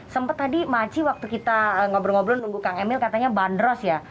sempat tadi makci waktu kita ngobrol ngobrol nunggu kang emil katanya bandros ya